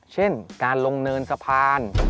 เช่นการลงเนินสะพาน